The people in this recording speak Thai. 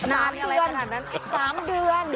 นานเตือน๓เดือน